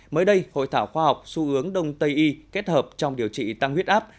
mới đây hội thảo khoa học xu hướng đông tây y kết hợp trong điều trị tăng huyết áp